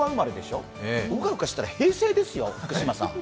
うかうかしたら平成ですよ、福島さん。